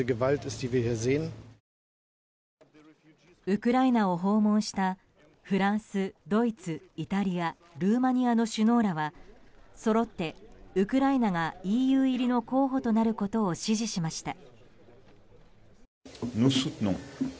ウクライナを訪問したフランス、ドイツ、イタリアルーマニアの首脳らはそろって、ウクライナがＥＵ入りの候補となることを支持しました。